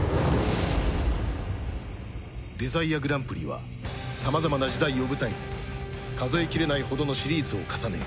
デザイアグランプリは様々な時代を舞台に数えきれないほどのシリーズを重ね